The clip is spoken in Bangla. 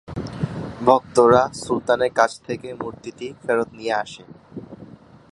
ভক্তরা সুলতানের কাছ থেকে মূর্তিটি ফেরত নিয়ে আসে।